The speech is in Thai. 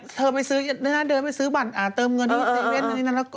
เธอไปซื้อเดินหน้าเดินไปซื้อบัตรเติมเงินไม่เก็บ